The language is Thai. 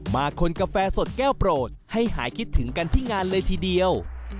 มาคนกาแฟสดแก้วโปรดให้หายคิดถึงกันที่งานเลยทีเดียว